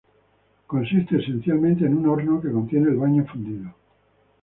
Consiste esencialmente en un horno que contiene el baño fundido.